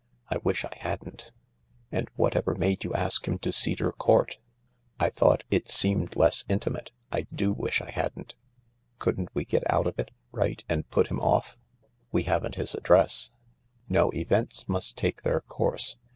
I wish I hadn't." " And whatever made you ask him to Cedar Court ?"" I thought it seemed less intimate. I do wish I hadn't." " Couldn't we get out of it ? Write and put him off ?" "We haven't his address. No, events must take their course.